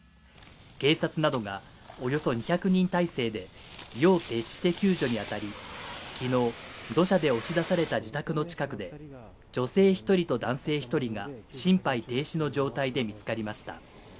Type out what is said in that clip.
警察などがおよそ２００人態勢で夜を徹して救助に当たり昨日、土砂で押し出された自宅の近くで女性１人と男性１人が心肺停止の状態で見つかりました。